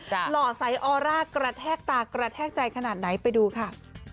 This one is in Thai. หล่อใสออร่ากระแทกตากระแทกใจขนาดไหนไปดูค่ะ